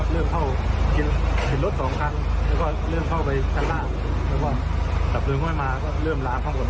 เรื่องไม่มาแล้วก็เริ่มร้านข้างบน